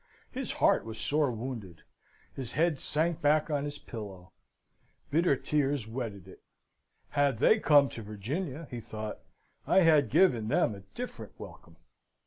His heart was sore wounded: his head sank back on his pillow: bitter tears wetted it. "Had they come to Virginia," he thought, "I had given them a different welcome!"